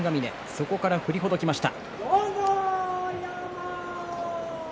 そこから振りほどきました。